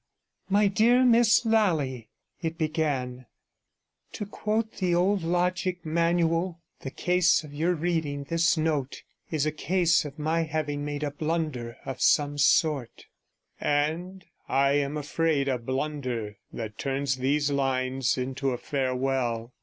'My dear Miss Lally,' it began 'To quote the old logic manual, the case of your reading this note is a case of my having made a blunder of some sort, and, I am afraid, a blunder that turns these lines into a farewell.